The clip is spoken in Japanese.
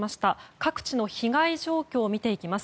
各地の被害状況を見ていきます。